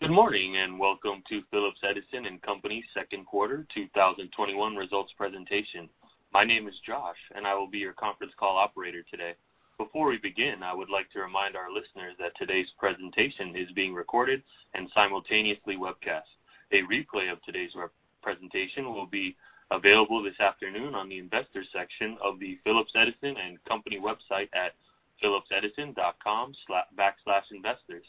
Good morning, and welcome to Phillips Edison & Company second quarter 2021 results presentation. My name is Josh, and I will be your conference call operator today. Before we begin, I would like to remind our listeners that today's presentation is being recorded and simultaneously webcast. A replay of today's presentation will be available this afternoon on the Investors section of the Phillips Edison & Company website at phillipsedison.com/investors.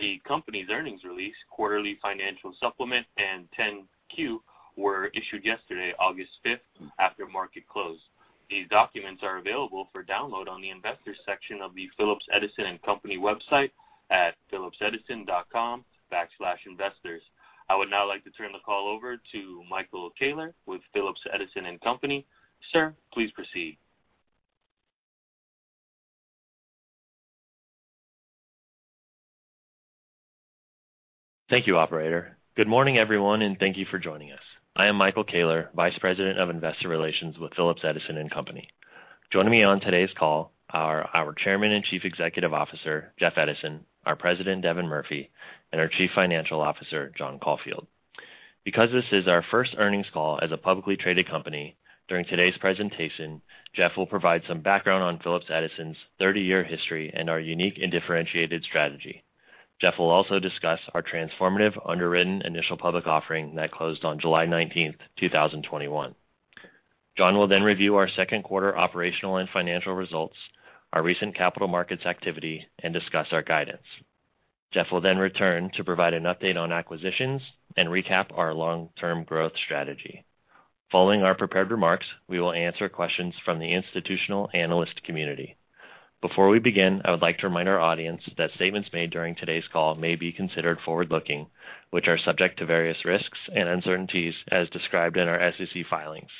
The company's earnings release, quarterly financial supplement, and 10-Q were issued yesterday, August 5th, after market close. These documents are available for download on the Investors section of the Phillips Edison & Company website at phillipsedison.com/investors. I would now like to turn the call over to Michael Koehler with Phillips Edison & Company. Sir, please proceed. Thank you, operator. Good morning, everyone, and thank you for joining us. I am Michael Koehler, Vice President of Investor Relations with Phillips Edison & Company. Joining me on today's call are our Chairman and Chief Executive Officer, Jeff Edison, our President, Devin Murphy, and our Chief Financial Officer, John Caulfield. Because this is our first earnings call as a publicly traded company, during today's presentation, Jeff will provide some background on Phillips Edison's 30-year history and our unique and differentiated strategy. Jeff will also discuss our transformative underwritten initial public offering that closed on July 19th, 2021. John will then review our second quarter operational and financial results, our recent capital markets activity, and discuss our guidance. Jeff will then return to provide an update on acquisitions and recap our long-term growth strategy. Following our prepared remarks, we will answer questions from the institutional analyst community. Before we begin, I would like to remind our audience that statements made during today's call may be considered forward-looking, which are subject to various risks and uncertainties as described in our SEC filings.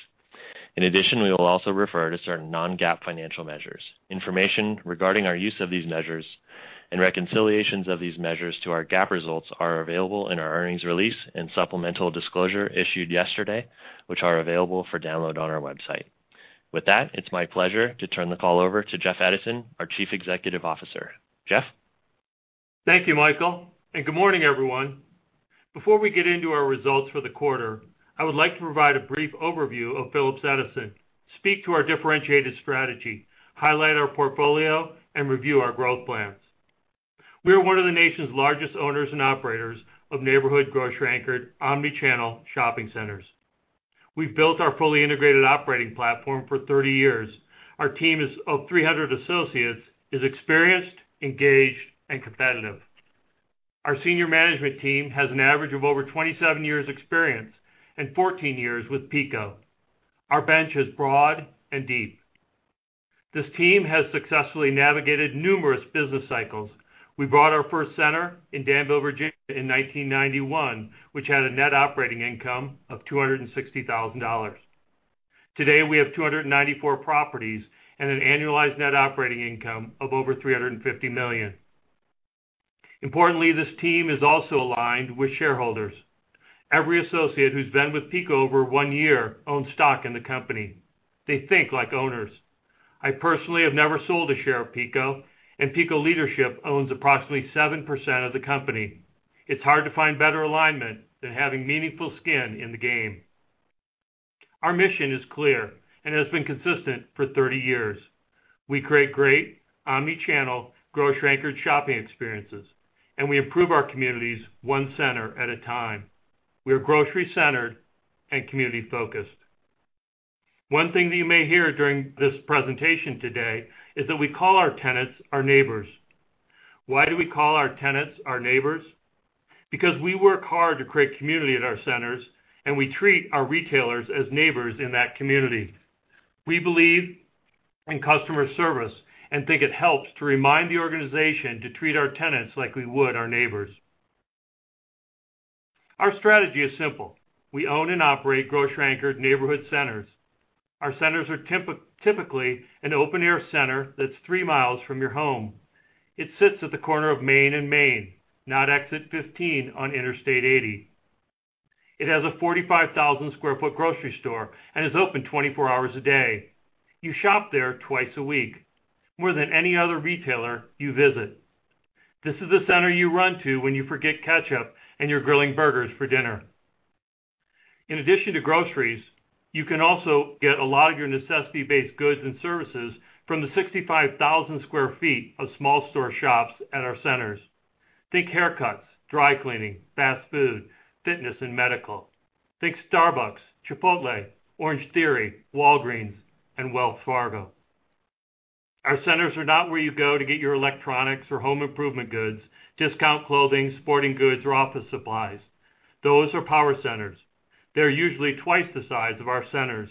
In addition, we will also refer to certain non-GAAP financial measures. Information regarding our use of these measures and reconciliations of these measures to our GAAP results are available in our earnings release and supplemental disclosure issued yesterday, which are available for download on our website. With that, it's my pleasure to turn the call over to Jeff Edison, our Chief Executive Officer. Jeff? Thank you, Michael, good morning, everyone. Before we get into our results for the quarter, I would like to provide a brief overview of Phillips Edison, speak to our differentiated strategy, highlight our portfolio, and review our growth plans. We are one of the nation's largest owners and operators of neighborhood grocery-anchored, omni-channel shopping centers. We've built our fully integrated operating platform for 30 years. Our team is of 300 associates, is experienced, engaged, and competitive. Our senior management team has an average of over 27 years experience and 14 years with PECO. Our bench is broad and deep. This team has successfully navigated numerous business cycles. We bought our first center in Danville, Virginia, in 1991, which had a net operating income of $260,000. Today, we have 294 properties and an annualized net operating income of over $350 million. Importantly, this team is also aligned with shareholders. Every associate who's been with PECO over one year owns stock in the company. They think like owners. I personally have never sold a share of PECO, and PECO leadership owns approximately 7% of the company. It's hard to find better alignment than having meaningful skin in the game. Our mission is clear and has been consistent for 30 years. We create great omni-channel, grocery-anchored shopping experiences, and we improve our communities one center at a time. We are grocery-centered and community-focused. One thing that you may hear during this presentation today is that we call our tenants our neighbors. Why do we call our tenants our neighbors? Because we work hard to create community at our centers, and we treat our retailers as neighbors in that community. We believe in customer service and think it helps to remind the organization to treat our tenants like we would our neighbors. Our strategy is simple. We own and operate grocery-anchored neighborhood centers. Our centers are typically an open-air center that's 3 mi from your home. It sits at the corner of Main and Main, not Exit 15 on Interstate 80. It has a 45,000 sq ft grocery store and is open 24 hours a day. You shop there twice a week, more than any other retailer you visit. This is the center you run to when you forget ketchup and you're grilling burgers for dinner. In addition to groceries, you can also get a lot of your necessity-based goods and services from the 65,000 sq ft of small store shops at our centers. Think haircuts, dry cleaning, fast food, fitness, and medical. Think Starbucks, Chipotle, Orangetheory Fitness, Walgreens, and Wells Fargo. Our centers are not where you go to get your electronics or home improvement goods, discount clothing, sporting goods, or office supplies. Those are power centers. They're usually twice the size of our centers.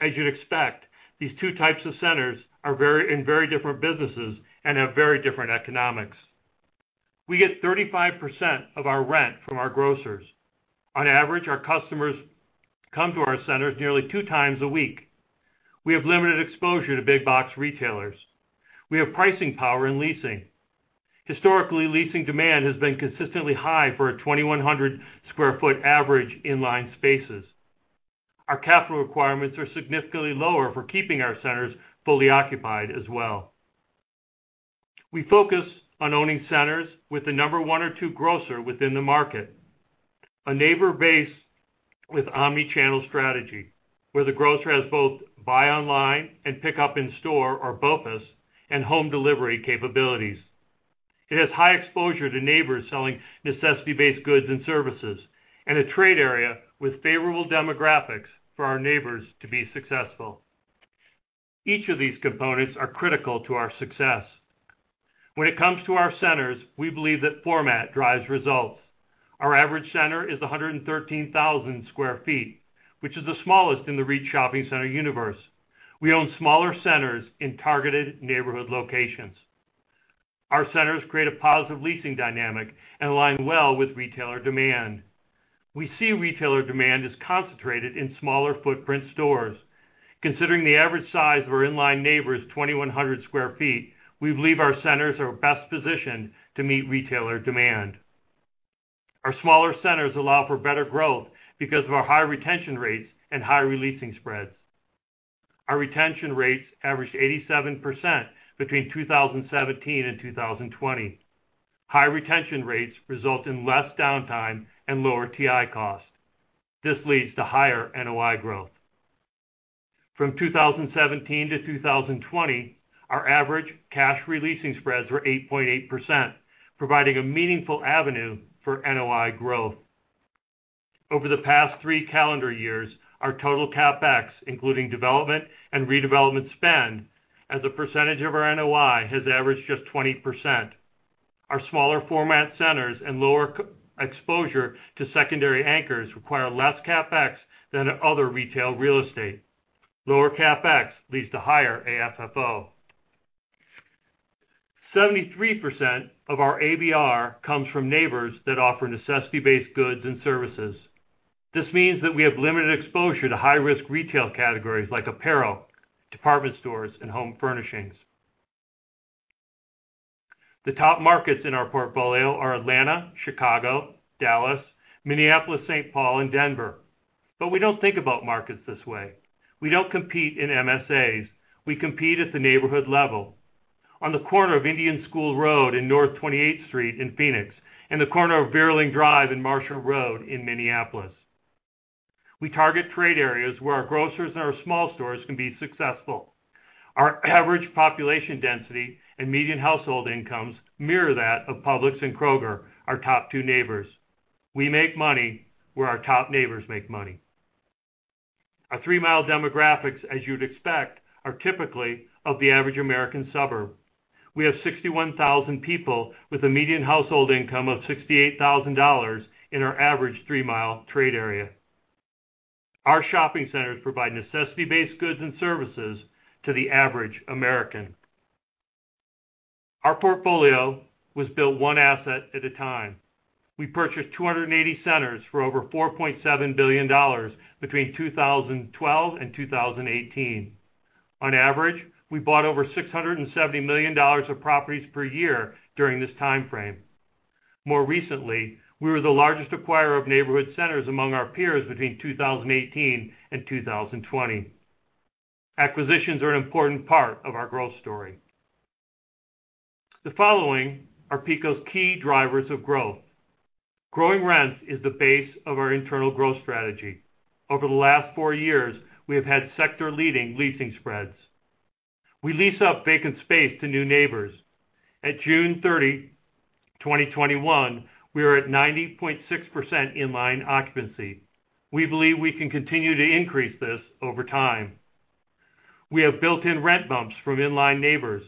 As you'd expect, these two types of centers are in very different businesses and have very different economics. We get 35% of our rent from our grocers. On average, our customers come to our centers nearly 2x a week. We have limited exposure to big box retailers. We have pricing power in leasing. Historically, leasing demand has been consistently high for our 2,100 sq ft average inline spaces. Our capital requirements are significantly lower for keeping our centers fully occupied as well. We focus on owning centers with the number one or two grocer within the market. A neighbor base with omni-channel strategy, where the grocer has both buy online and pickup in-store, or BOPUS, and home delivery capabilities. It has high exposure to neighbors selling necessity-based goods and services, and a trade area with favorable demographics for our neighbors to be successful. Each of these components are critical to our success. When it comes to our centers, we believe that format drives results. Our average center is 113,000 sq ft, which is the smallest in the retail shopping center universe. We own smaller centers in targeted neighborhood locations. Our centers create a positive leasing dynamic and align well with retailer demand. We see retailer demand is concentrated in smaller footprint stores. Considering the average size of our inline neighbor is 2,100 sq ft, we believe our centers are best positioned to meet retailer demand. Our smaller centers allow for better growth because of our high retention rates and high re-leasing spreads. Our retention rates averaged 87% between 2017 and 2020. High retention rates result in less downtime and lower TI cost. This leads to higher NOI growth. From 2017-2020, our average cash re-leasing spreads were 8.8%, providing a meaningful avenue for NOI growth. Over the past three calendar years, our total CapEx, including development and redevelopment spend, as a percentage of our NOI, has averaged just 20%. Our smaller format centers and lower exposure to secondary anchors require less CapEx than other retail real estate. Lower CapEx leads to higher AFFO. 73% of our ABR comes from neighbors that offer necessity-based goods and services. This means that we have limited exposure to high-risk retail categories like apparel, department stores, and home furnishings. The top markets in our portfolio are Atlanta, Chicago, Dallas, Minneapolis, St. Paul, and Denver. We don't think about markets this way. We don't compete in MSAs. We compete at the neighborhood level. On the corner of Indian School Road and North 28th Street in Phoenix, and the corner of Vierling Drive and Marshall Road in Minneapolis. We target trade areas where our grocers and our small stores can be successful. Our average population density and median household incomes mirror that of Publix and Kroger, our top two neighbors. We make money where our top neighbors make money. Our 3 mi demographics, as you'd expect, are typically of the average American suburb. We have 61,000 people with a median household income of $68,000 in our average 3 mi trade area. Our shopping centers provide necessity-based goods and services to the average American. Our portfolio was built one asset at a time. We purchased 280 centers for over $4.7 billion between 2012 and 2018. On average, we bought over $670 million of properties per year during this timeframe. More recently, we were the largest acquirer of neighborhood centers among our peers between 2018 and 2020. Acquisitions are an important part of our growth story. The following are PECO's key drivers of growth. Growing rents is the base of our internal growth strategy. Over the last four years, we have had sector-leading leasing spreads. We lease up vacant space to new neighbors. At June 30, 2021, we are at 90.6% inline occupancy. We believe we can continue to increase this over time. We have built-in rent bumps from inline neighbors.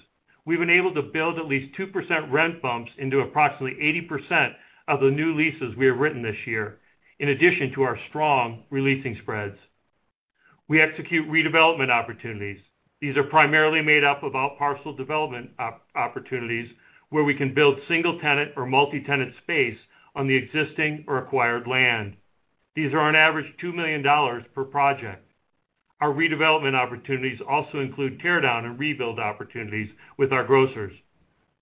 We've been able to build at least 2% rent bumps into approximately 80% of the new leases we have written this year. In addition to our strong re-leasing spreads, we execute redevelopment opportunities. These are primarily made up of outparcel development opportunities where we can build single-tenant or multi-tenant space on the existing or acquired land. These are on average $2 million per project. Our redevelopment opportunities also include tear down and rebuild opportunities with our grocers.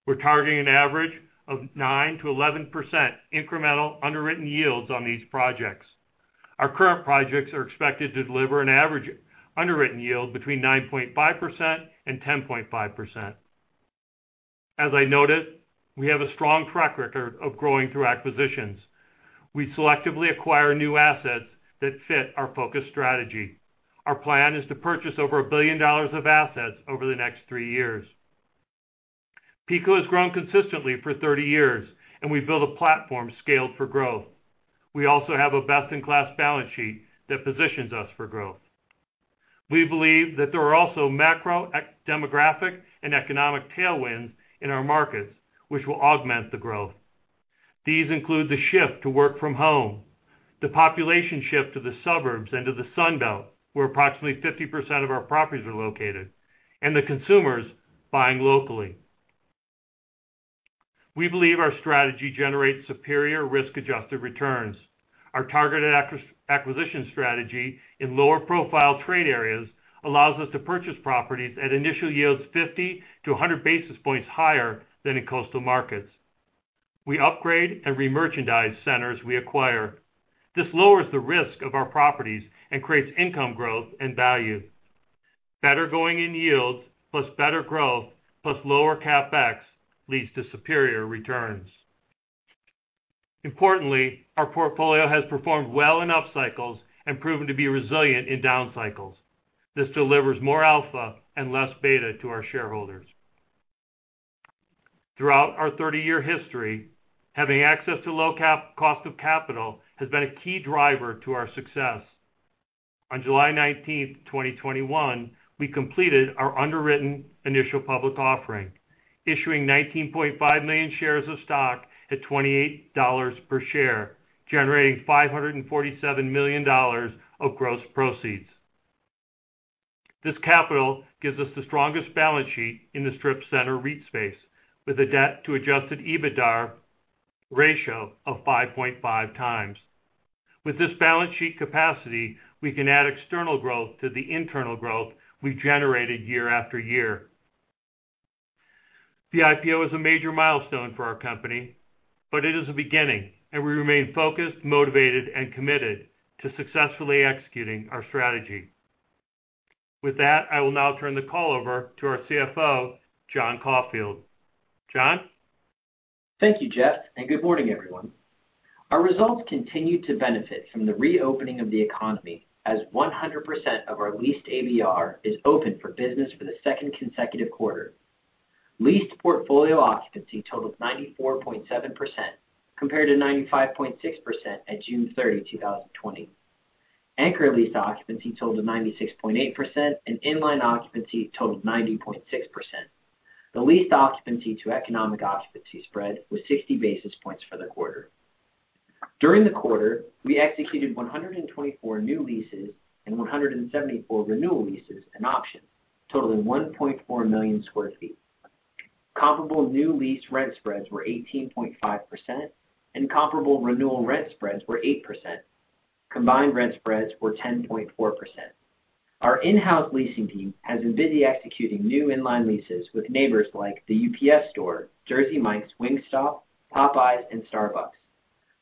We're targeting an average of 9%-11% incremental underwritten yields on these projects. Our current projects are expected to deliver an average underwritten yield between 9.5% and 10.5%. As I noted, we have a strong track record of growing through acquisitions. We selectively acquire new assets that fit our focus strategy. Our plan is to purchase over $1 billion of assets over the next three years. PECO has grown consistently for 30 years, and we've built a platform scaled for growth. We also have a best-in-class balance sheet that positions us for growth. We believe that there are also macro demographic and economic tailwinds in our markets which will augment the growth. These include the shift to work from home, the population shift to the suburbs and to the Sun Belt, where approximately 50% of our properties are located, and the consumers buying locally. We believe our strategy generates superior risk-adjusted returns. Our targeted acquisition strategy in lower profile trade areas allows us to purchase properties at initial yields 50-100 basis points higher than in coastal markets. We upgrade and remerchandise centers we acquire. This lowers the risk of our properties and creates income growth and value. Better going-in yields plus better growth plus lower CapEx leads to superior returns. Importantly, our portfolio has performed well in up cycles and proven to be resilient in down cycles. This delivers more alpha and less beta to our shareholders. Throughout our 30-year history, having access to low cost of capital has been a key driver to our success. On July 19th, 2021, we completed our underwritten initial public offering, issuing 19.5 million shares of stock at $28 per share, generating $547 million of gross proceeds. This capital gives us the strongest balance sheet in the strip center REIT space, with a debt to adjusted EBITDAre ratio of 5.5x. With this balance sheet capacity, we can add external growth to the internal growth we've generated year after year. The IPO is a major milestone for our company, but it is a beginning, and we remain focused, motivated, and committed to successfully executing our strategy. With that, I will now turn the call over to our CFO, John Caulfield. John? Thank you, Jeff. Good morning, everyone. Our results continue to benefit from the reopening of the economy, as 100% of our leased ABR is open for business for the second consecutive quarter. Leased portfolio occupancy totaled 94.7%, compared to 95.6% at June 30, 2020. Anchor lease occupancy totaled 96.8%, and in-line occupancy totaled 90.6%. The leased occupancy to economic occupancy spread was 60 basis points for the quarter. During the quarter, we executed 124 new leases and 174 renewal leases and options, totaling 1.4 million square feet. Comparable new lease rent spreads were 18.5%, and comparable renewal rent spreads were 8%. Combined rent spreads were 10.4%. Our in-house leasing team has been busy executing new in-line leases with neighbors like The UPS Store, Jersey Mike's, Wingstop, Popeyes, and Starbucks.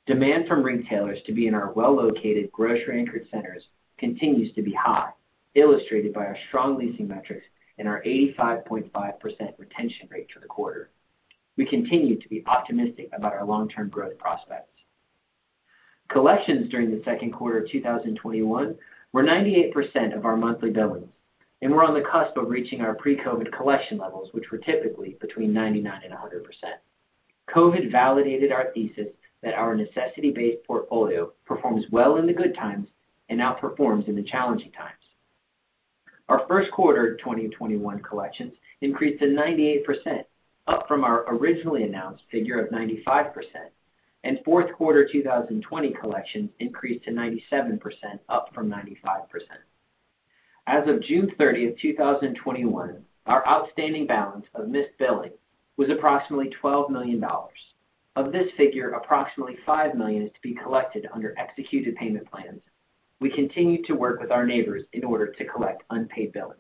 Demand from retailers to be in our well-located grocery-anchored centers continues to be high, illustrated by our strong leasing metrics and our 85.5% retention rate for the quarter. We continue to be optimistic about our long-term growth prospects. Collections during the second quarter of 2021 were 98% of our monthly billings, and we're on the cusp of reaching our pre-COVID collection levels, which were typically between 99% and 100%. COVID validated our thesis that our necessity-based portfolio performs well in the good times and outperforms in the challenging times. Our first quarter 2021 collections increased to 98%, up from our originally announced figure of 95%, and fourth quarter 2020 collections increased to 97%, up from 95%. As of June 30th, 2021, our outstanding balance of missed billing was approximately $12 million. Of this figure, approximately $5 million is to be collected under executed payment plans. We continue to work with our neighbors in order to collect unpaid billings.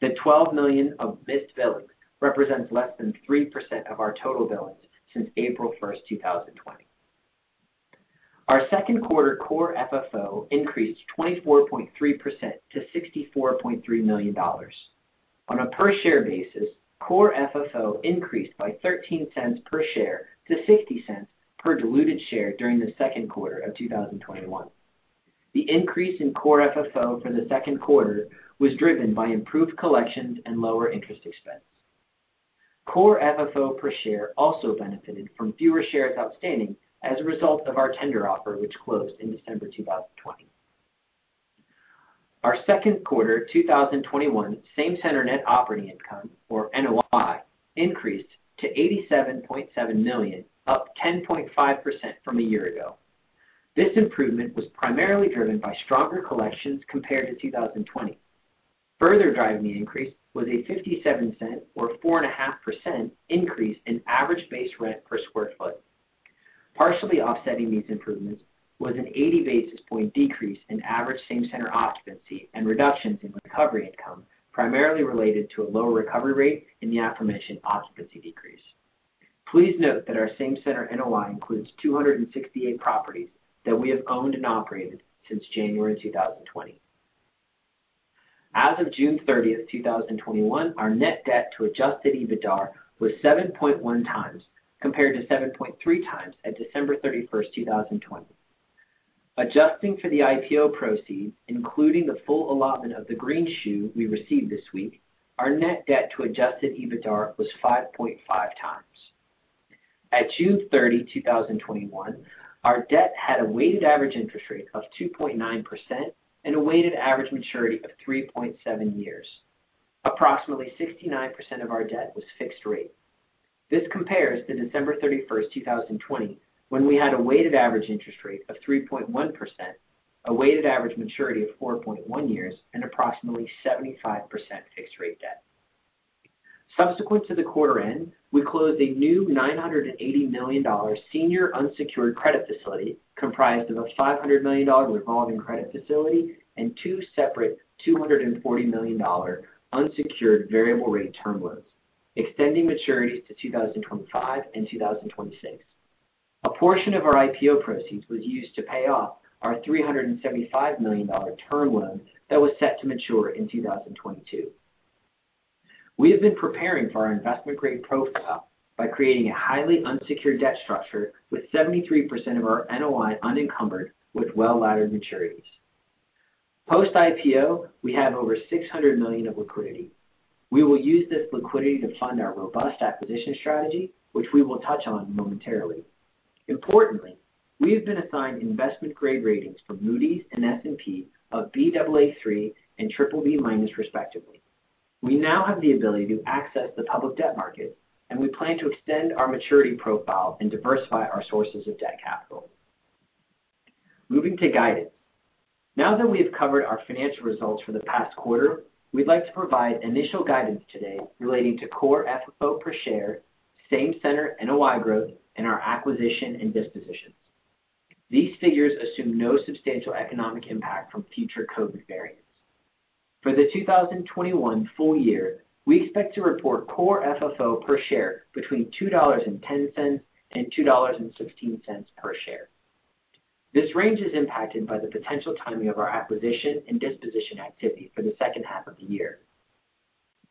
The $12 million of missed billings represents less than 3% of our total billings since April 1st, 2020. Our second quarter core FFO increased 24.3% to $64.3 million. On a per share basis, core FFO increased by $0.13 per share to $0.60 per diluted share during the second quarter of 2021. The increase in core FFO for the second quarter was driven by improved collections and lower interest expense. Core FFO per share also benefited from fewer shares outstanding as a result of our tender offer, which closed in December 2020. Our second quarter 2021 same center net operating income, or NOI, increased to $87.7 million, up 10.5% from a year ago. This improvement was primarily driven by stronger collections compared to 2020. Further driving the increase was a $0.57, or 4.5%, increase in average base rent per square foot. Partially offsetting these improvements was an 80 basis point decrease in average same center occupancy and reductions in recovery income, primarily related to a lower recovery rate in the aforementioned occupancy decrease. Please note that our same center NOI includes 268 properties that we have owned and operated since January 2020. As of June 30, 2021, our net debt to adjusted EBITDAre was 7.1x, compared to 7.3x at December 31, 2020. Adjusting for the IPO proceeds, including the full allotment of the greenshoe we received this week, our net debt to adjusted EBITDAre was 5.5x. At June 30, 2021, our debt had a weighted average interest rate of 2.9% and a weighted average maturity of 3.7 years. Approximately 69% of our debt was fixed rate. This compares to December 31, 2020, when we had a weighted average interest rate of 3.1%, a weighted average maturity of 4.1 years, and approximately 75% fixed rate debt. Subsequent to the quarter end, we closed a new $980 million senior unsecured credit facility comprised of a $500 million revolving credit facility and two separate $240 million unsecured variable rate term loans, extending maturities to 2025 and 2026. A portion of our IPO proceeds was used to pay off our $375 million term loan that was set to mature in 2022. We have been preparing for our investment grade profile by creating a highly unsecured debt structure with 73% of our NOI unencumbered with well-laddered maturities. Post IPO, we have over $600 million of liquidity. We will use this liquidity to fund our robust acquisition strategy, which we will touch on momentarily. Importantly, we have been assigned investment grade ratings from Moody's and S&P of Baa3 and BBB-, respectively. We now have the ability to access the public debt market, and we plan to extend our maturity profile and diversify our sources of debt capital. Moving to guidance. Now that we have covered our financial results for the past quarter, we'd like to provide initial guidance today relating to core FFO per share, same center NOI growth, and our acquisition and dispositions. These figures assume no substantial economic impact from future COVID variants. For the 2021 full year, we expect to report core FFO per share between $2.10 and $2.16 per share. This range is impacted by the potential timing of our acquisition and disposition activity for the second half of the year.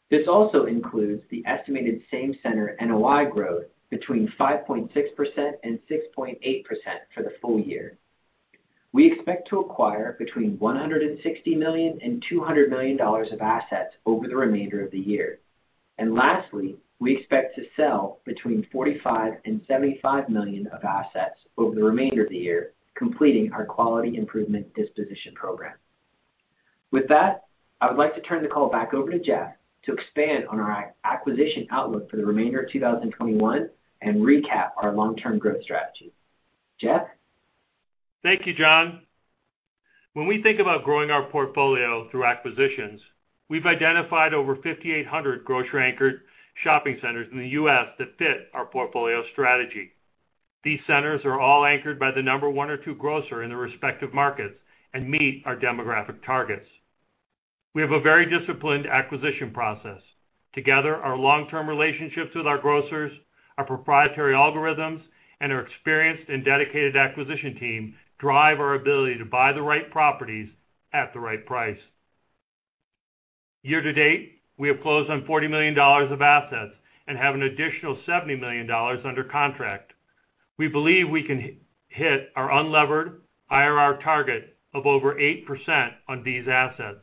This also includes the estimated same center NOI growth between 5.6% and 6.8% for the full year. We expect to acquire between $160 million and $200 million of assets over the remainder of the year. Lastly, we expect to sell between $45 million and $75 million of assets over the remainder of the year, completing our quality improvement disposition program. With that, I would like to turn the call back over to Jeff to expand on our acquisition outlook for the remainder of 2021 and recap our long-term growth strategy. Jeff? Thank you, John. When we think about growing our portfolio through acquisitions, we've identified over 5,800 grocery anchored shopping centers in the U.S. that fit our portfolio strategy. These centers are all anchored by the number one or two grocer in their respective markets and meet our demographic targets. We have a very disciplined acquisition process. Together, our long-term relationships with our grocers, our proprietary algorithms, and our experienced and dedicated acquisition team drive our ability to buy the right properties at the right price. Year-to-date, we have closed on $40 million of assets and have an additional $70 million under contract. We believe we can hit our unlevered IRR target of over 8% on these assets.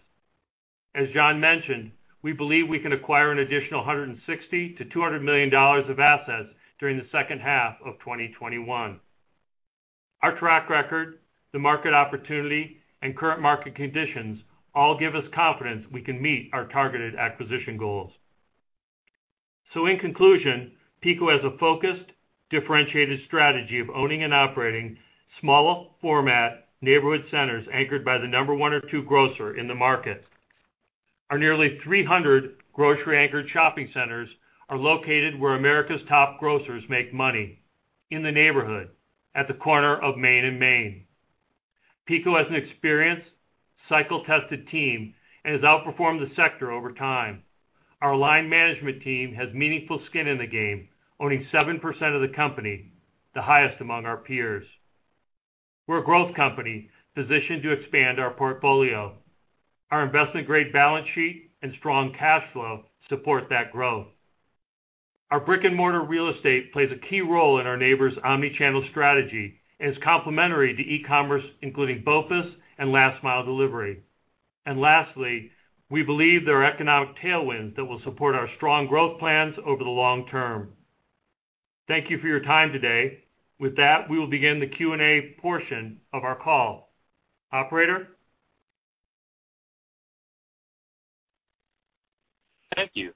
As John mentioned, we believe we can acquire an additional $160 million-$200 million of assets during the second half of 2021. Our track record, the market opportunity, and current market conditions all give us confidence we can meet our targeted acquisition goals. In conclusion, PECO has a focused, differentiated strategy of owning and operating smaller format neighborhood centers anchored by the number one or two grocer in the market. Our nearly 300 grocery-anchored shopping centers are located where America's top grocers make money, in the neighborhood at the corner of Main and Main. PECO has an experienced cycle-tested team and has outperformed the sector over time. Our aligned management team has meaningful skin in the game, owning 7% of the company, the highest among our peers. We're a growth company positioned to expand our portfolio. Our investment-grade balance sheet and strong cash flow support that growth. Our brick-and-mortar real estate plays a key role in our neighbors' omni-channel strategy and is complementary to e-commerce, including BOPUS and last mile delivery. Lastly, we believe there are economic tailwinds that will support our strong growth plans over the long-term. Thank you for your time today. With that, we will begin the Q&A portion of our call. Operator? Thank you.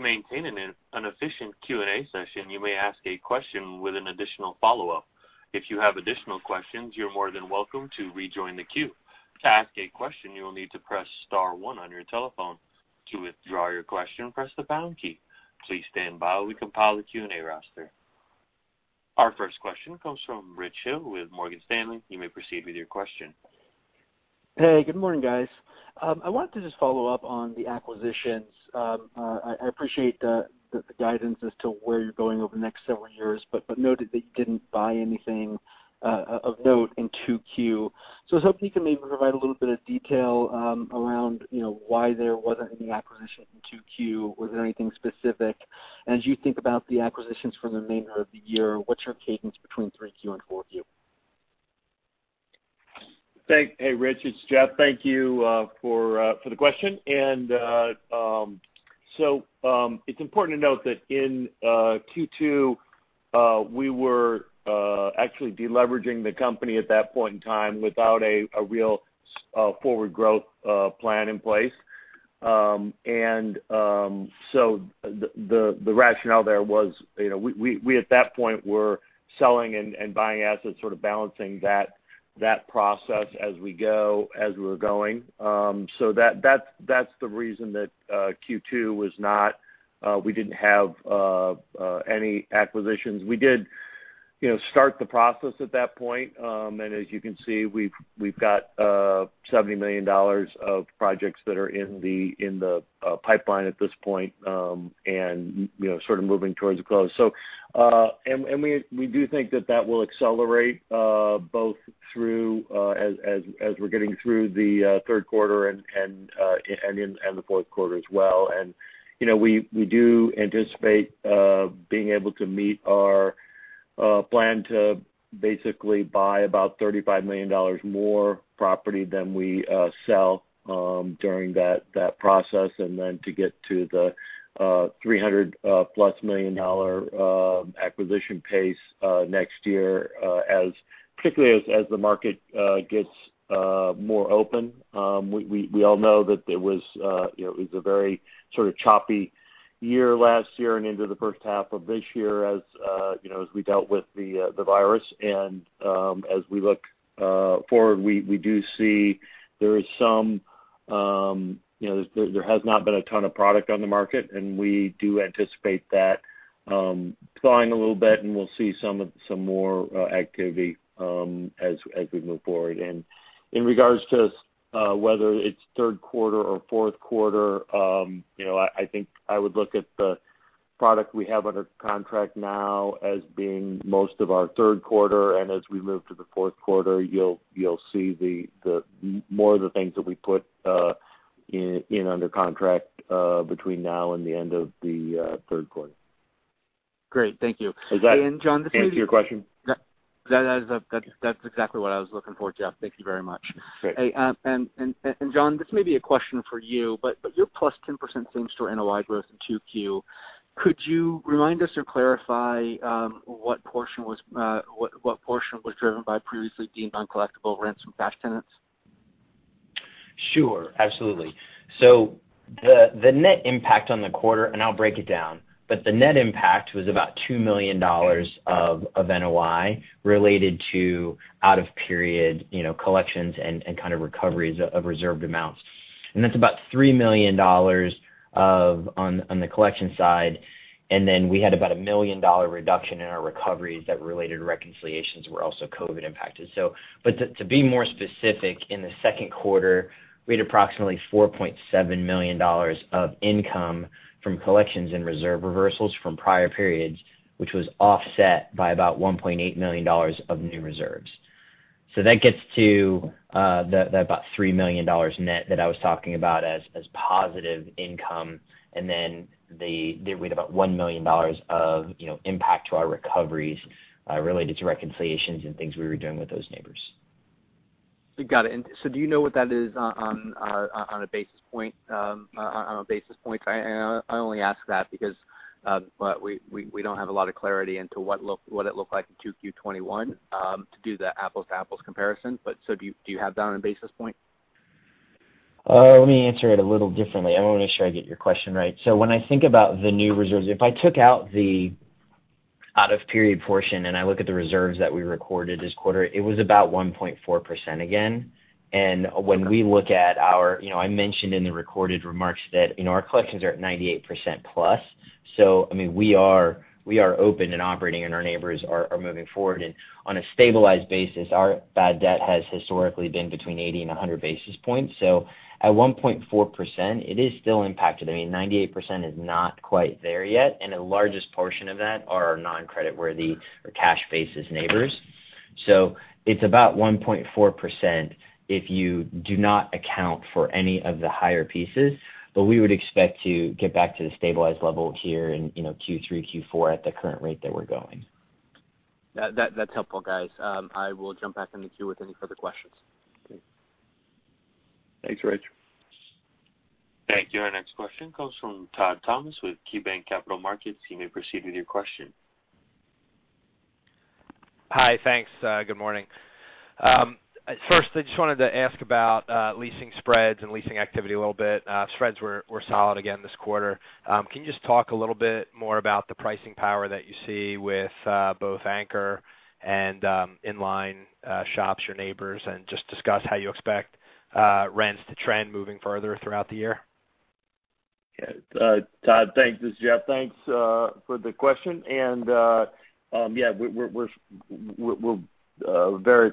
To maintain an efficient Q&A session, you may ask a question with an additional follow-up. If you have additional questions, you're more than welcome to rejoin the queue. To ask a question, you'll need to press star one on your telephone. To withdraw your question, press the pound key. Please stand by as we compile the Q&A roster. Our first question comes from Rich Hill with Morgan Stanley. You may proceed with your question. Hey, good morning, guys. I wanted to just follow up on the acquisitions. I appreciate the guidance as to where you're going over the next several years, noted that you didn't buy anything of note in 2Q. I was hoping you can maybe provide a little bit of detail around why there wasn't any acquisition in 2Q. Was there anything specific? As you think about the acquisitions for the remainder of the year, what's your cadence between 3Q and 4Q? Hey, Rich, it's Jeff. Thank you for the question. It's important to note that in Q2, we were actually de-leveraging the company at that point in time without a real forward growth plan in place. The rationale there was we at that point were selling and buying assets sort of balancing that process as we were going. That's the reason that Q2 we didn't have any acquisitions. We did Start the process at that point. As you can see, we've got $70 million of projects that are in the pipeline at this point, and sort of moving towards a close. We do think that that will accelerate both through as we're getting through the third quarter and the fourth quarter as well. We do anticipate being able to meet our plan to basically buy about $35 million more property than we sell during that process. To get to the $300+ million acquisition pace next year, particularly as the market gets more open. We all know that it was a very sort of choppy year last year and into the first half of this year as we dealt with the virus. As we look forward, we do see there has not been a ton of product on the market, and we do anticipate that thawing a little bit, and we'll see some more activity as we move forward. In regards to whether it's third quarter or fourth quarter, I think I would look at the product we have under contract now as being most of our third quarter. As we move to the fourth quarter, you'll see more of the things that we put in under contract between now and the end of the third quarter. Great. Thank you. Does that- John, Answer your question? That's exactly what I was looking for, Jeff. Thank you very much. Great. John, this may be a question for you, but your +10% same-store NOI growth in 2Q, could you remind us or clarify what portion was driven by previously deemed uncollectible rents from cash tenants? Sure, absolutely. The net impact on the quarter, and I'll break it down, but the net impact was about $2 million of NOI related to out-of-period collections and kind of recoveries of reserved amounts. That's about $3 million on the collection side. We had about a $1 million reduction in our recoveries that related to reconciliations were also COVID impacted. To be more specific, in the second quarter, we had approximately $4.7 million of income from collections and reserve reversals from prior periods, which was offset by about $1.8 million of new reserves. That gets to the about $3 million net that I was talking about as positive income. We had about $1 million of impact to our recoveries related to reconciliations and things we were doing with those neighbors. We've got it. Do you know what that is on a basis points? I only ask that because we don't have a lot of clarity into what it looked like in 2Q 2021 to do the apples to apples comparison. Do you have that on a basis point? Let me answer it a little differently. I want to make sure I get your question right. When I think about the new reserves, if I took out the out-of-period portion and I look at the reserves that we recorded this quarter, it was about 1.4% again. When we look at our I mentioned in the recorded remarks that our collections are at 98%+, we are open and operating, and our neighbors are moving forward. On a stabilized basis, our bad debt has historically been between 80 basis points and 100 basis points. At 1.4%, it is still impacted. 98% is not quite there yet, and the largest portion of that are our non-creditworthy or cash-basis neighbors. It's about 1.4% if you do not account for any of the higher pieces. We would expect to get back to the stabilized level here in Q3, Q4 at the current rate that we're going. That's helpful, guys. I will jump back in the queue with any further questions. Okay. Thanks, Rich. Thank you. Our next question comes from Todd Thomas with KeyBanc Capital Markets. You may proceed with your question. Hi, thanks. Good morning. I just wanted to ask about leasing spreads and leasing activity a little bit. Spreads were solid again this quarter. Can you just talk a little bit more about the pricing power that you see with both anchor and inline shops, your neighbors, and just discuss how you expect rents to trend moving further throughout the year? Yeah. Todd, thanks. This is Jeff. Thanks for the question. Yeah, we're very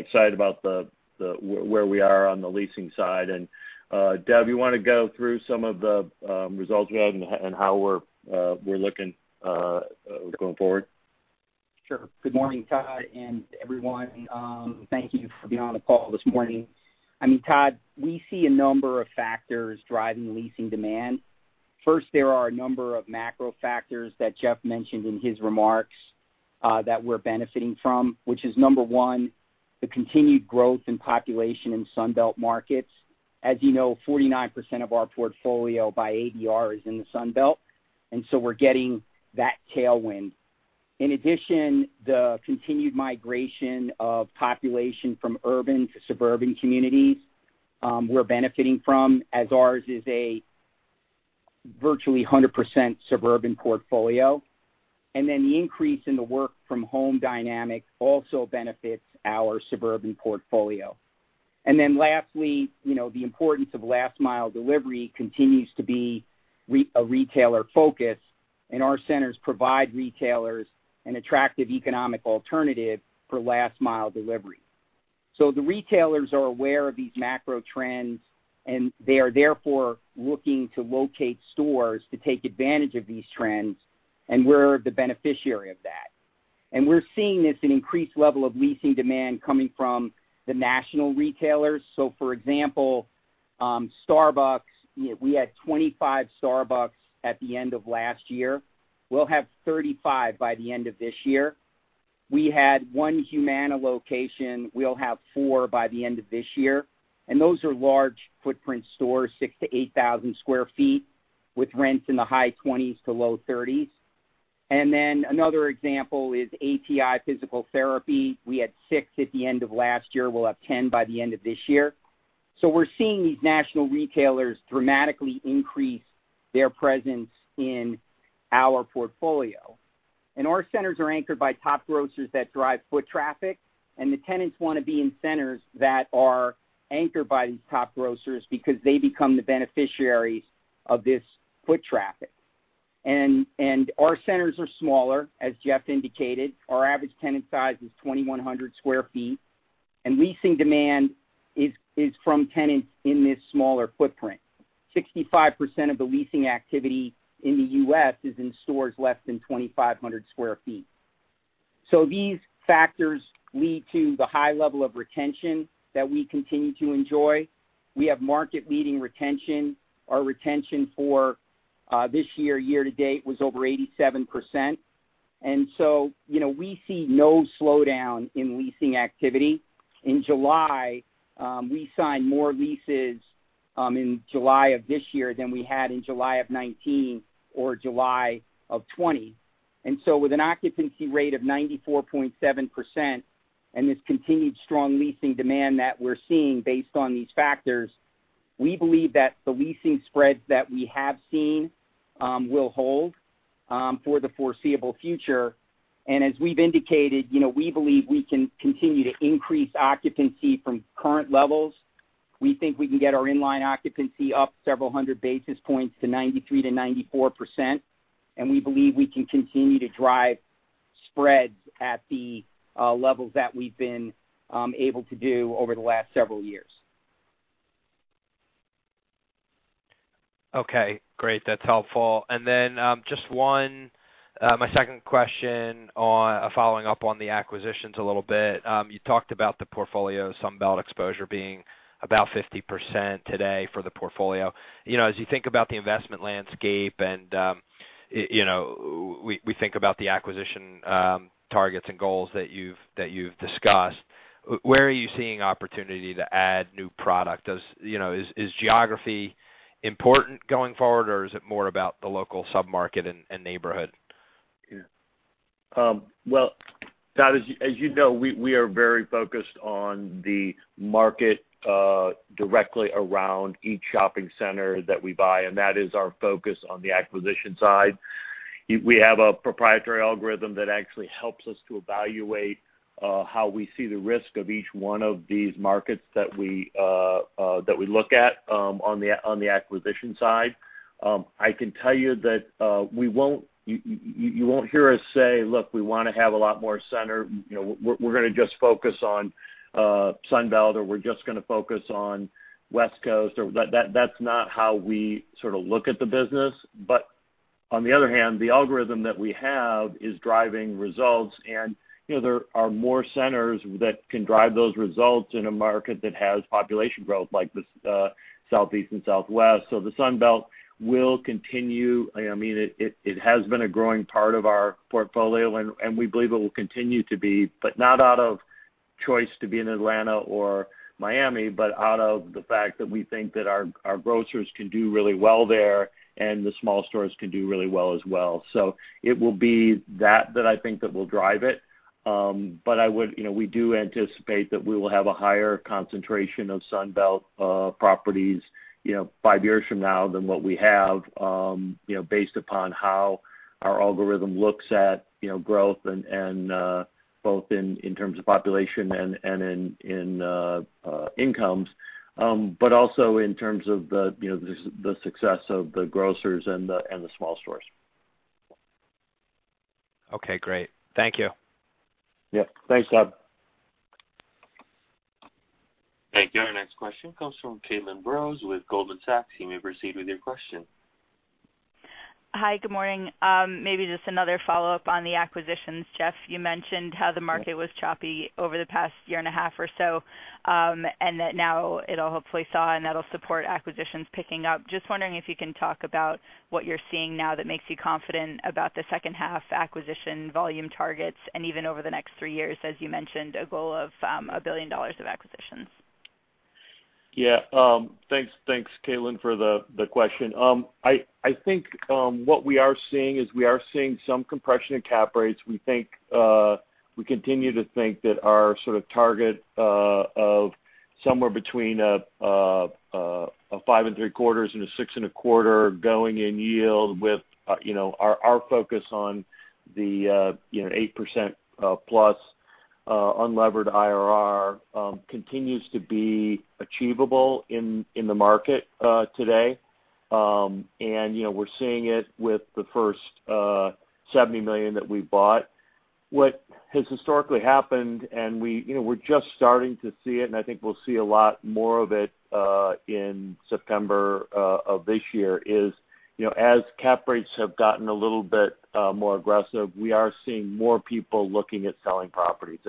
excited about where we are on the leasing side. Dev, you want to go through some of the results we have and how we're looking going forward? Sure. Good morning, Todd and everyone. Thank you for being on the call this morning. Todd, we see a number of factors driving leasing demand. First, there are a number of macro factors that Jeff Edison mentioned in his remarks that we're benefiting from, which is number one, the continued growth in population in Sun Belt markets. As you know, 49% of our portfolio by ABR is in the Sun Belt, and so we're getting that tailwind. In addition, the continued migration of population from urban to suburban communities we're benefiting from, as ours is a virtually 100% suburban portfolio. The increase in the work from home dynamic also benefits our suburban portfolio. Lastly, the importance of last-mile delivery continues to be a retailer focus, and our centers provide retailers an attractive economic alternative for last-mile delivery. The retailers are aware of these macro trends, and they are therefore looking to locate stores to take advantage of these trends, and we're the beneficiary of that. We're seeing this in increased level of leasing demand coming from the national retailers. For example, Starbucks, we had 25 Starbucks at the end of last year. We'll have 35 by the end of this year. We had one Humana location. We'll have four by the end of this year. Those are large footprint stores, 6,000-8,000 sq ft, with rents in the high 20s to low 30s. Another example is ATI Physical Therapy. We had six at the end of last year. We'll have 10 by the end of this year. We're seeing these national retailers dramatically increase their presence in our portfolio. Our centers are anchored by top grocers that drive foot traffic, and the tenants want to be in centers that are anchored by these top grocers because they become the beneficiaries of this foot traffic. Our centers are smaller, as Jeff indicated. Our average tenant size is 2,100 sq ft. Leasing demand is from tenants in this smaller footprint. 65% of the leasing activity in the U.S. is in stores less than 2,500 sq ft. These factors lead to the high level of retention that we continue to enjoy. We have market-leading retention. Our retention for this year-to-date, was over 87%. We see no slowdown in leasing activity. In July, we signed more leases in July of this year than we had in July of 2019 or July of 2020. With an occupancy rate of 94.7% and this continued strong leasing demand that we're seeing based on these factors, we believe that the leasing spreads that we have seen will hold for the foreseeable future. As we've indicated, we believe we can continue to increase occupancy from current levels. We think we can get our inline occupancy up several hundred basis points to 93%-94%, and we believe we can continue to drive spreads at the levels that we've been able to do over the last several years. Okay, great. That's helpful. Then, just one, my second question, following up on the acquisitions a little bit. You talked about the portfolio, Sun Belt exposure being about 50% today for the portfolio. As you think about the investment landscape and we think about the acquisition targets and goals that you've discussed, where are you seeing opportunity to add new product? Is geography important going forward, or is it more about the local sub-market and neighborhood? Well, Todd, as you know, we are very focused on the market directly around each shopping center that we buy, and that is our focus on the acquisition side. We have a proprietary algorithm that actually helps us to evaluate how we see the risk of each one of these markets that we look at on the acquisition side. I can tell you that you won't hear us say, "Look, we want to have a lot more center. We're going to just focus on Sun Belt," or, "We're just going to focus on West Coast." That's not how we sort of look at the business. On the other hand, the algorithm that we have is driving results, and there are more centers that can drive those results in a market that has population growth, like the Southeast and Southwest. The Sun Belt will continue. It has been a growing part of our portfolio, and we believe it will continue to be, but not out of choice to be in Atlanta or Miami, but out of the fact that we think that our grocers can do really well there, and the small stores can do really well as well. It will be that I think that will drive it. We do anticipate that we will have a higher concentration of Sun Belt properties five years from now than what we have, based upon how our algorithm looks at growth, both in terms of population and in incomes, also in terms of the success of the grocers and the small stores. Okay, great. Thank you. Yep. Thanks, Todd. Thank you. Our next question comes from Caitlin Burrows with Goldman Sachs. You may proceed with your question. Hi. Good morning. Maybe just another follow-up on the acquisitions. Jeff Edison, you mentioned how the market was choppy over the past 1.5 years or so, and that now it'll hopefully thaw, and that'll support acquisitions picking up. Just wondering if you can talk about what you're seeing now that makes you confident about the second half acquisition volume targets, and even over the next three years, as you mentioned, a goal of $1 billion of acquisitions. Yeah. Thanks, Caitlin, for the question. I think what we are seeing is we are seeing some compression in cap rates. We continue to think that our sort of target of somewhere between a 5.75 and a 6.25 going in yield with our focus on the 8%+ Unlevered IRR continues to be achievable in the market today. We're seeing it with the first $70 million that we bought. What has historically happened, we're just starting to see it, I think we'll see a lot more of it in September of this year, is as cap rates have gotten a little bit more aggressive, we are seeing more people looking at selling properties.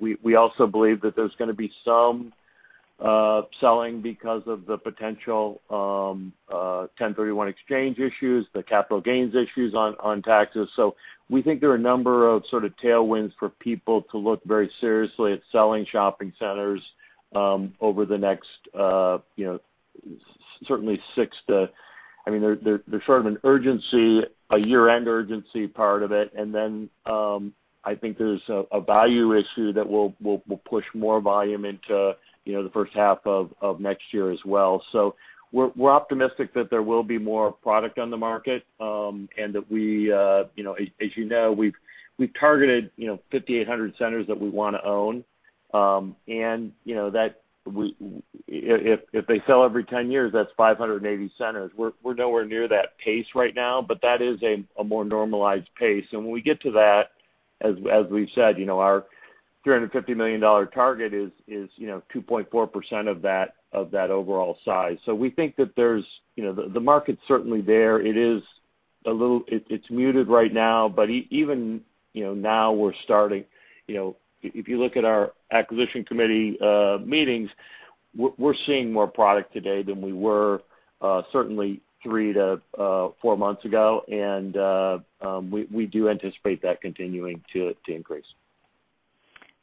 We also believe that there's going to be some selling because of the potential 1031 exchange issues, the capital gains issues on taxes. We think there are a number of sort of tailwinds for people to look very seriously at selling shopping centers over the next certainly six to. There's sort of a year-end urgency part of it. Then I think there's a value issue that will push more volume into the first half of next year as well. We're optimistic that there will be more product on the market. As you know, we've targeted 5,800 centers that we want to own. If they sell every 10 years, that's 580 centers. We're nowhere near that pace right now, but that is a more normalized pace. When we get to that, as we've said, our $350 million target is 2.4% of that overall size. We think that the market's certainly there. It's muted right now, but even now we're starting. If you look at our acquisition committee meetings, we're seeing more product today than we were certainly three to four months ago. We do anticipate that continuing to increase.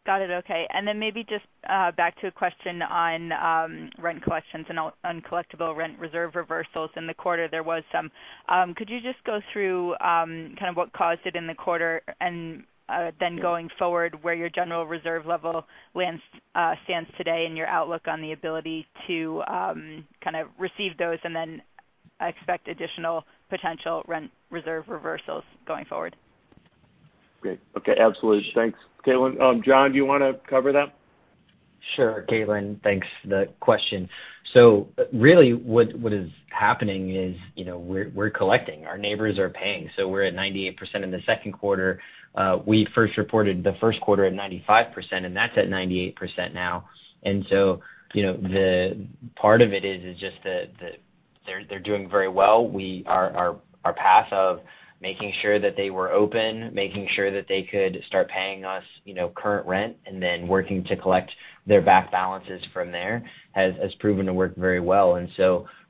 Got it. Okay. Maybe just back to a question on rent collections and uncollectible rent reserve reversals. In the quarter, there was some. Could you just go through kind of what caused it in the quarter, and then going forward, where your general reserve level stands today and your outlook on the ability to kind of receive those and then expect additional potential rent reserve reversals going forward? Great. Okay, absolutely. Thanks, Caitlin. John, do you want to cover that? Sure, Caitlin. Thanks for the question. Really what is happening is we're collecting. Our neighbors are paying. We're at 98% in the second quarter. We first reported the first quarter at 95%, and that's at 98% now. Part of it is just that they're doing very well. Our path of making sure that they were open, making sure that they could start paying us current rent, and then working to collect their back balances from there, has proven to work very well.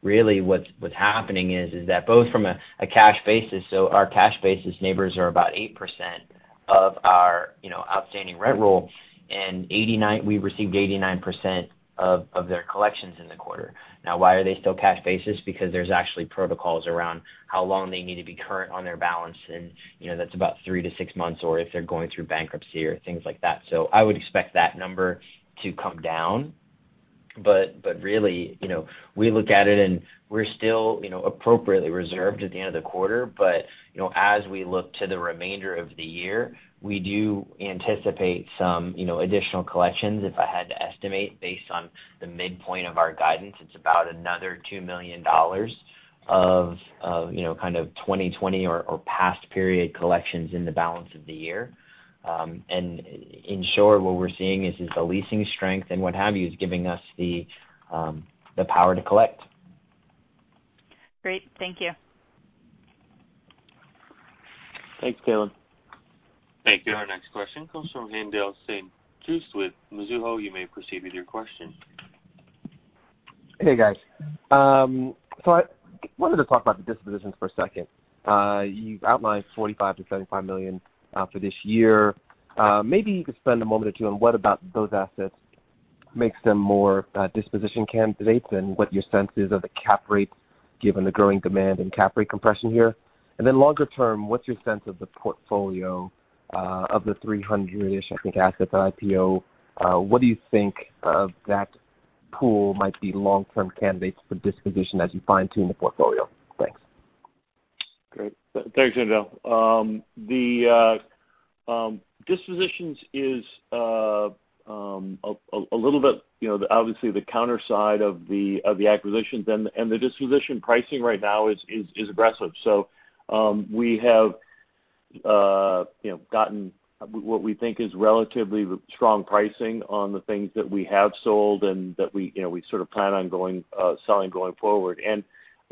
Really what's happening is that both from a cash basis, so our cash basis neighbors are about 8% of our outstanding rent roll, and we received 89% of their collections in the quarter. Now, why are they still cash basis? There's actually protocols around how long they need to be current on their balance, and that's about three to six months, or if they're going through bankruptcy or things like that. I would expect that number to come down. Really, we look at it and we're still appropriately reserved at the end of the quarter. As we look to the remainder of the year, we do anticipate some additional collections. If I had to estimate based on the midpoint of our guidance, it's about another $2 million of kind of 2020 or past period collections in the balance of the year. In short, what we're seeing is the leasing strength and what have you, is giving us the power to collect. Great. Thank you. Thanks, Caitlin. Thank you. Our next question comes from Haendel St. Juste with Mizuho. You may proceed with your question. Hey, guys. I wanted to talk about the dispositions for a second. You've outlined $45 million-$75 million for this year. Maybe you could spend a moment or two on what about those assets makes them more disposition candidates and what your sense is of the cap rates given the growing demand and cap rate compression here. Then longer-term, what's your sense of the portfolio of the 300-ish, I think, assets at IPO? What do you think of that pool might be long-term candidates for disposition as you fine-tune the portfolio? Thanks. Great. Thanks, Haendel. The dispositions is obviously the counter side of the acquisitions. The disposition pricing right now is aggressive. We have gotten what we think is relatively strong pricing on the things that we have sold and that we sort of plan on selling going forward.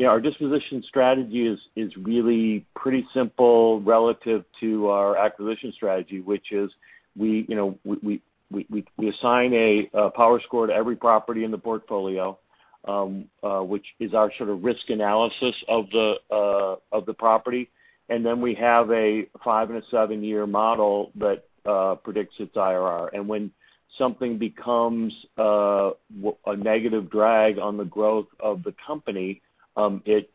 Our disposition strategy is really pretty simple relative to our acquisition strategy, which is we assign a power score to every property in the portfolio, which is our sort of risk analysis of the property, and then we have a five and a seven-year model that predicts its IRR. When something becomes a negative drag on the growth of the company, it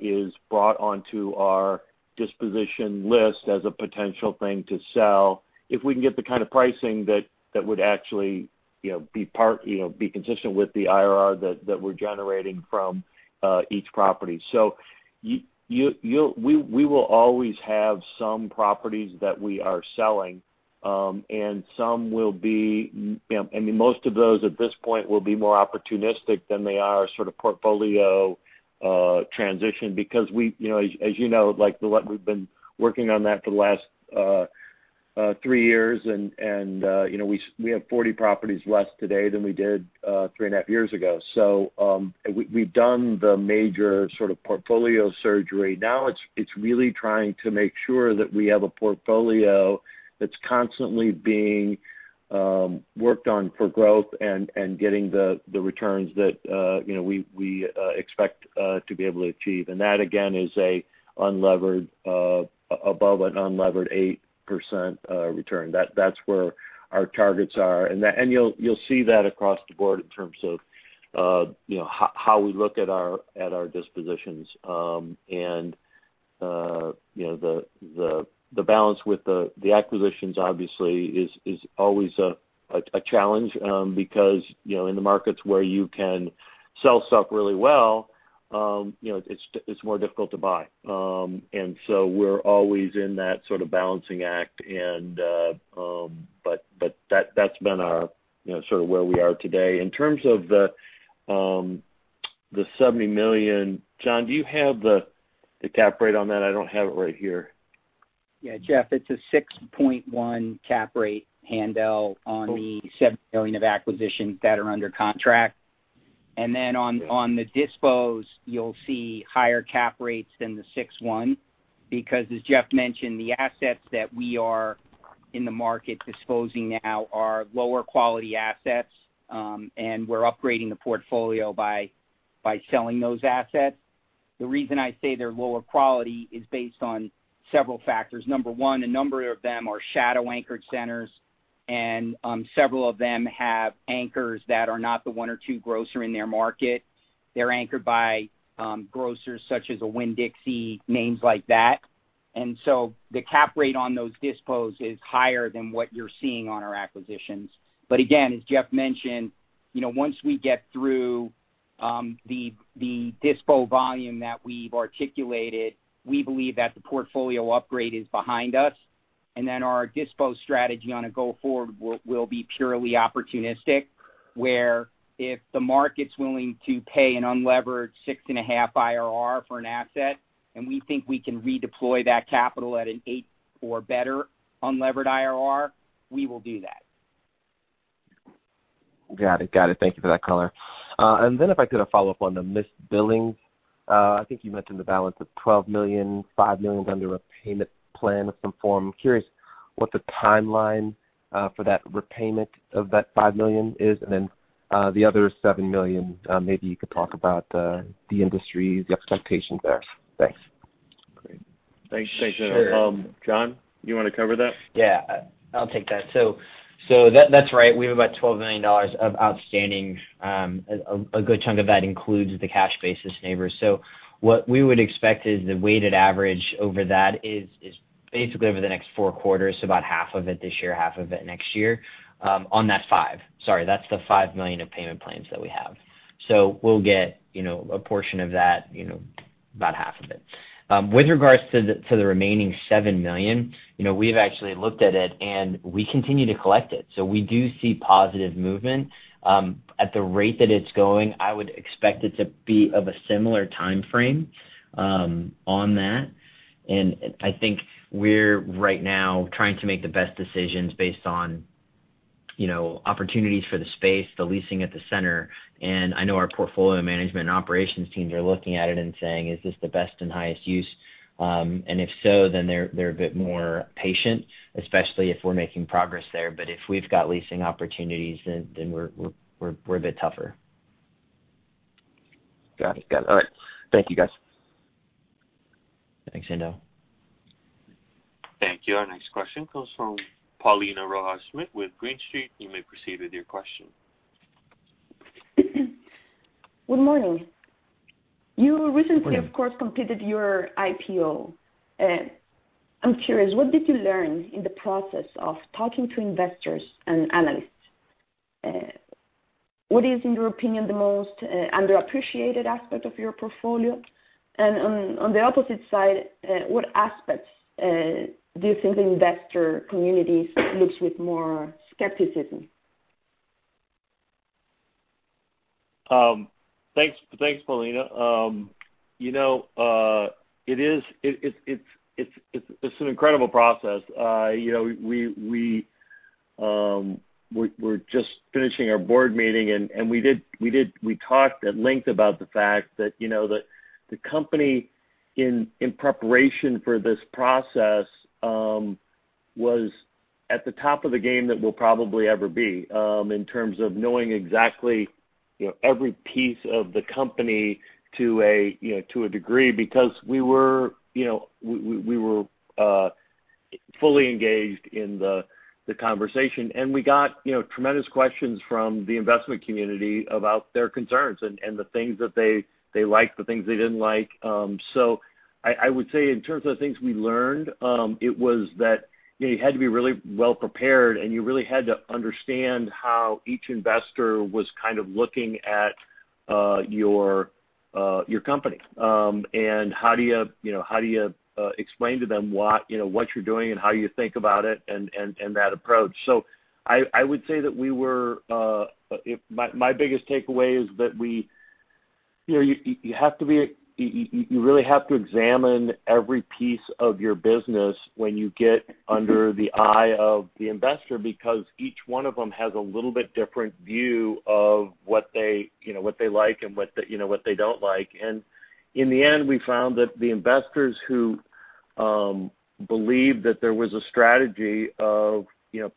is brought onto our disposition list as a potential thing to sell if we can get the kind of pricing that would actually be consistent with the IRR that we're generating from each property. We will always have some properties that we are selling. Most of those at this point will be more opportunistic than they are sort of portfolio transition because as you know, we've been working on that for the last three years, and we have 40 properties less today than we did 3.5 years ago. We've done the major sort of portfolio surgery. Now it's really trying to make sure that we have a portfolio that's constantly being worked on for growth and getting the returns that we expect to be able to achieve. That, again, is above an unlevered 8% return. That's where our targets are. You'll see that across the board in terms of how we look at our dispositions. The balance with the acquisitions obviously is always a challenge, because in the markets where you can sell stuff really well, it's more difficult to buy. We're always in that sort of balancing act, but that's been sort of where we are today. In terms of the $70 million, John, do you have the cap rate on that? I don't have it right here. Yeah, Jeff, it's a 6.1 cap rate Haendel on the $70 million of acquisitions that are under contract. Then on the dispos, you'll see higher cap rates than the 6.1, because as Jeff mentioned, the assets that we are in the market disposing now are lower quality assets, and we're upgrading the portfolio by selling those assets. The reason I say they're lower quality is based on several factors. Number one, a number of them are shadow-anchored centers, and several of them have anchors that are not the one or two grocer in their market. They're anchored by grocers such as a Winn-Dixie, names like that. So the cap rate on those dispos is higher than what you're seeing on our acquisitions. Again, as Jeff mentioned, once we get through the dispo volume that we've articulated, we believe that the portfolio upgrade is behind us, and then our dispo strategy on a go-forward will be purely opportunistic, where if the market's willing to pay an unlevered 6.5 IRR for an asset, and we think we can redeploy that capital at an eight or better unlevered IRR, we will do that. Got it. Thank you for that color. If I could a follow-up on the missed billings. I think you mentioned the balance of $12 million, $5 million is under a payment plan of some form. Curious what the timeline for that repayment of that $5 million is, then the other $7 million, maybe you could talk about the industry, the expectations there. Thanks. Great. Thanks. Sure. John, you want to cover that? Yeah, I'll take that. That's right. We have about $12 million of outstanding. A good chunk of that includes the cash basis neighbors. What we would expect is the weighted average over that is basically over the next four quarters, so about half of it this year, half of it next year, on that five. Sorry, that's the $5 million of payment plans that we have. We'll get a portion of that, about half of it. With regards to the remaining $7 million, we've actually looked at it, and we continue to collect it. We do see positive movement. At the rate that it's going, I would expect it to be of a similar timeframe on that. I think we're right now trying to make the best decisions based on opportunities for the space, the leasing at the center. I know our portfolio management and operations teams are looking at it and saying, "Is this the best and highest use?" If so, then they're a bit more patient, especially if we're making progress there. If we've got leasing opportunities, then we're a bit tougher. Got it. All right. Thank you, guys. Thanks, Haendel St. Juste. Thank you. Our next question comes from Paulina Rojas Schmidt with Green Street. You may proceed with your question. Good morning. Morning. Of course, completed your IPO. I'm curious, what did you learn in the process of talking to investors and analysts? What is, in your opinion, the most underappreciated aspect of your portfolio? On the opposite side, what aspects do you think the investor communities looks with more skepticism? Thanks, Paulina. It's an incredible process. We're just finishing our board meeting, and we talked at length about the fact that the company, in preparation for this process, was at the top of the game that we'll probably ever be in terms of knowing exactly every piece of the company to a degree, because we were fully engaged in the conversation, and we got tremendous questions from the investment community about their concerns and the things that they liked, the things they didn't like. I would say in terms of the things we learned, it was that you had to be really well prepared, and you really had to understand how each investor was kind of looking at your company. How do you explain to them what you're doing and how you think about it and that approach. I would say that my biggest takeaway is that You really have to examine every piece of your business when you get under the eye of the investor, because each one of them has a little bit different view of what they like and what they don't like. In the end, we found that the investors who believed that there was a strategy of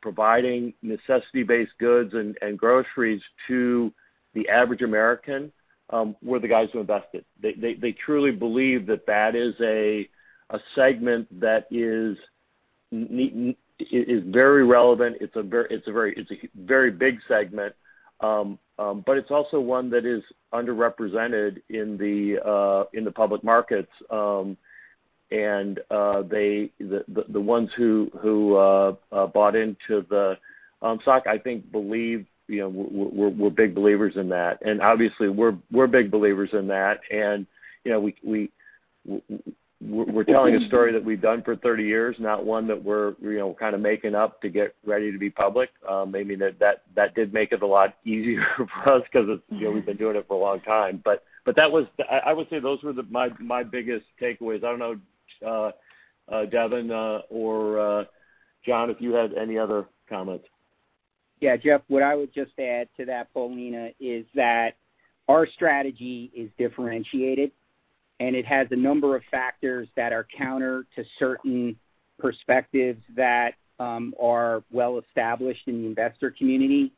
providing necessity-based goods and groceries to the average American were the guys who invested. They truly believe that that is a segment that is very relevant. It's a very big segment. It's also one that is underrepresented in the public markets. The ones who bought into the stock, I think, were big believers in that. Obviously, we're big believers in that, and we're telling a story that we've done for 30 years, not one that we're kind of making up to get ready to be public. Maybe that did make it a lot easier for us because we've been doing it for a long time. I would say those were my biggest takeaways. I don't know, Devin or John, if you had any other comments. Yeah, Jeff, what I would just add to that, Paulina, is that our strategy is differentiated, and it has a number of factors that are counter to certain perspectives that are well established in the investor community,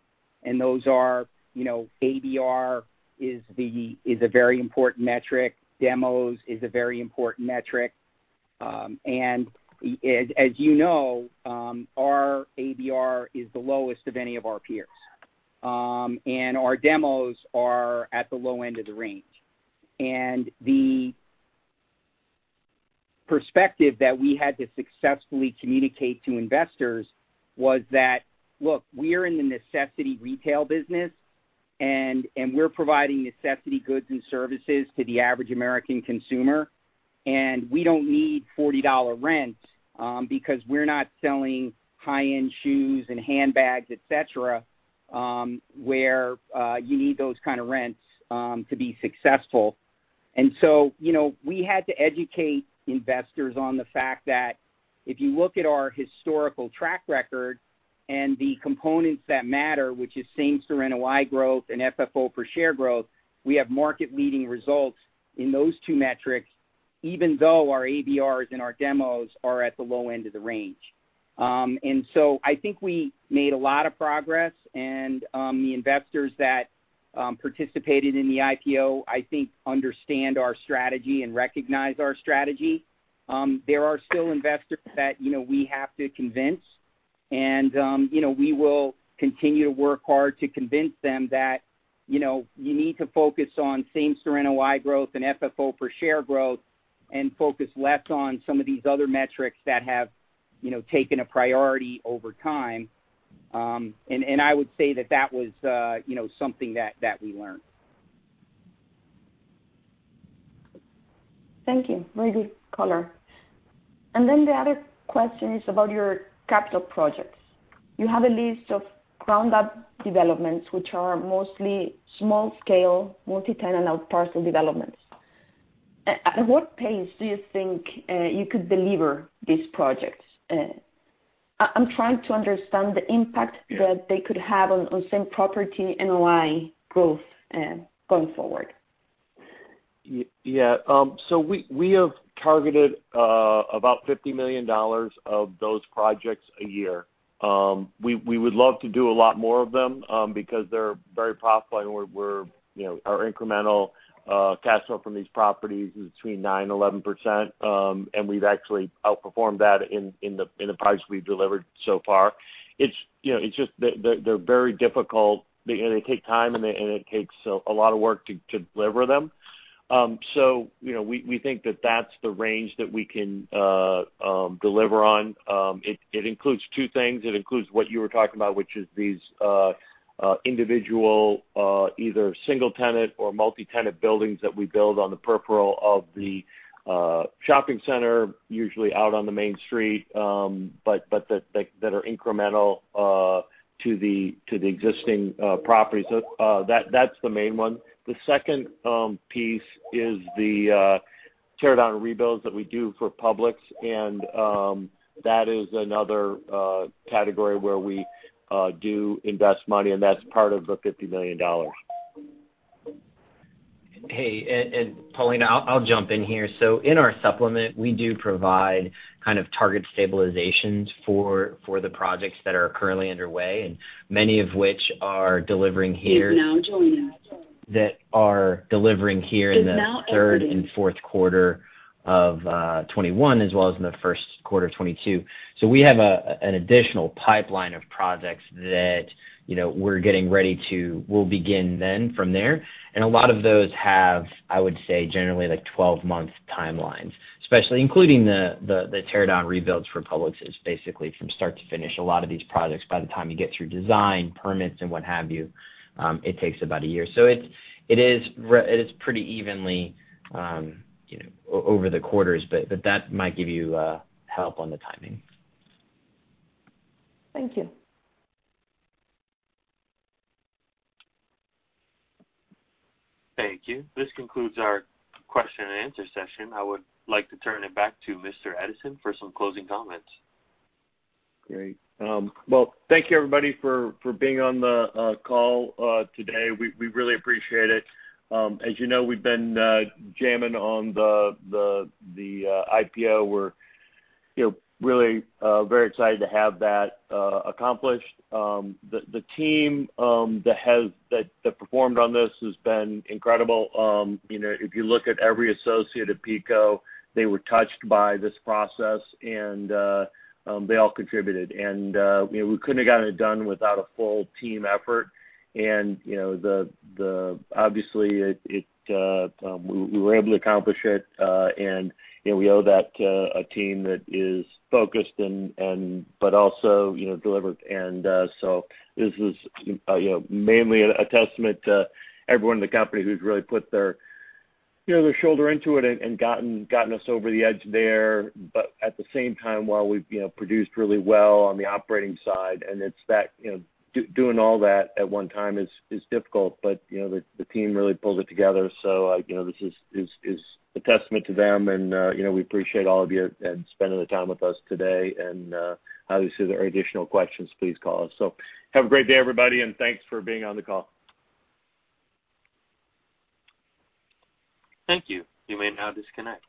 and those are ABR is a very important metric, demos is a very important metric. As you know, our ABR is the lowest of any of our peers. Our demos are at the low end of the range. The perspective that we had to successfully communicate to investors was that, look, we're in the necessity retail business, and we're providing necessity goods and services to the average American consumer. We don't need $40 rent because we're not selling high-end shoes and handbags, etc, where you need those kind of rents to be successful. We had to educate investors on the fact that if you look at our historical track record and the components that matter, which is same-store NOI growth and FFO per share growth, we have market-leading results in those two metrics, even though our ABRs and our demos are at the low end of the range. I think we made a lot of progress, and the investors that participated in the IPO, I think, understand our strategy and recognize our strategy. There are still investors that we have to convince, and we will continue to work hard to convince them that you need to focus on same-store NOI growth and FFO per share growth and focus less on some of these other metrics that have taken a priority over time. I would say that that was something that we learned. Thank you. Very good color. The other question is about your capital projects. You have a list of ground-up developments, which are mostly small-scale multi-tenant parcel developments. At what pace do you think you could deliver these projects? I'm trying to understand the impact that they could have on same property NOI growth going forward. We have targeted about $50 million of those projects a year. We would love to do a lot more of them because they're very profitable, and our incremental cash flow from these properties is between 9% and 11%, and we've actually outperformed that in the projects we've delivered so far. It's just they're very difficult. They take time, and it takes a lot of work to deliver them. We think that that's the range that we can deliver on. It includes two things. It includes what you were talking about, which is these individual, either single tenant or multi-tenant buildings that we build on the peripheral of the shopping center, usually out on the main street, but that are incremental to the existing properties. That's the main one. The second piece is the tear-down rebuilds that we do for Publix. That is another category where we do invest money. That's part of the $50 million. Paulina, I'll jump in here. In our supplement, we do provide kind of target stabilizations for the projects that are currently underway, and many of which are delivering here. Is now joining us. That are delivering here Is now entering Third and fourth quarter of 2021 as well as in the first quarter of 2022. We have an additional pipeline of projects that we're getting ready to begin then from there. A lot of those have, I would say, generally 12-month timelines, especially including the tear-down rebuilds for Publix is basically from start to finish. A lot of these projects, by the time you get through design, permits, and what have you, it takes about a year. It is pretty evenly over the quarters, but that might give you help on the timing. Thank you. Thank you. This concludes our question and answer session. I would like to turn it back to Mr. Edison for some closing comments. Great. Well, thank you everybody for being on the call today. We really appreciate it. As you know, we've been jamming on the IPO. We're really very excited to have that accomplished. The team that performed on this has been incredible. If you look at every associate at PECO, they were touched by this process and they all contributed. We couldn't have gotten it done without a full team effort. Obviously, we were able to accomplish it, and we owe that to a team that is focused but also delivered. This is mainly a testament to everyone in the company who's really put their shoulder into it and gotten us over the edge there. At the same time, while we've produced really well on the operating side, and it's that doing all that at one time is difficult, but the team really pulls it together. This is a testament to them, and we appreciate all of you and spending the time with us today. Obviously, if there are additional questions, please call us. Have a great day, everybody, and thanks for being on the call. Thank you. You may now disconnect.